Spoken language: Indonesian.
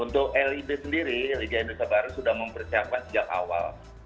untuk lib sendiri liga indonesia baru sudah mempersiapkan sejak awal